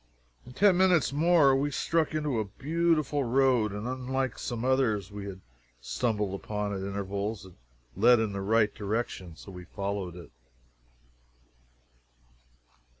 In ten minutes more we struck into a beautiful road, and unlike some others we had stumbled upon at intervals, it led in the right direction. We followed it.